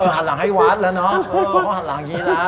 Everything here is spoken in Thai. หันหลังให้วัดเหรอเนอะเขาหันหลังอย่างนี้ละ